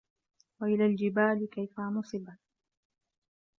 وَإِلَى الجِبالِ كَيفَ نُصِبَت